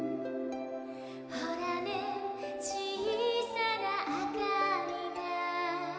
「ほらねちいさなあかりが」